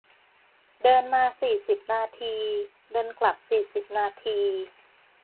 เดินมาสี่สิบนาที เดินกลับสี่สิบนาที